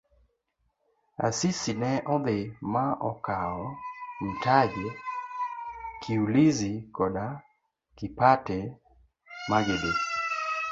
Asisi ne odhi ma okawo Mtaje. Kiulizi koda Kipate magidhi.